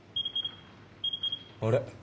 あれ？